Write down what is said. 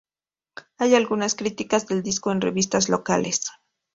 Hay algunas críticas del disco en revistas locales.